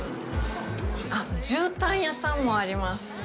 あっ、じゅうたん屋さんもあります。